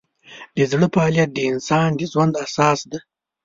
د زړه فعالیت د انسان د ژوند اساس دی.